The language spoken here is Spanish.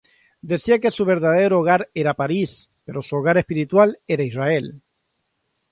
Decía que su verdadero hogar era París, pero su hogar espiritual era Israel.